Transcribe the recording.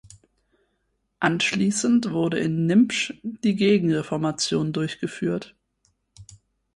Anschließend wurde in Nimptsch die Gegenreformation durchgeführt.